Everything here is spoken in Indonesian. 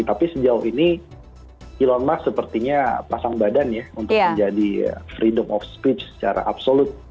tapi sejauh ini elon musk sepertinya pasang badan ya untuk menjadi freedom of speech secara absolut